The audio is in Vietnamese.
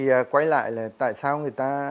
thế thì quay lại là tại sao người ta